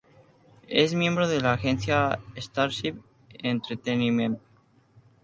Es miembro de la agencia Starship Entertainment.